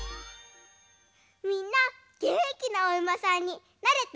みんなげんきなおうまさんになれた？